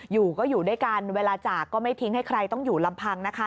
อยู่ก็อยู่ด้วยกันเวลาจากก็ไม่ทิ้งให้ใครต้องอยู่ลำพังนะคะ